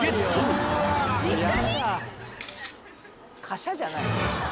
「カシャ」じゃないよ。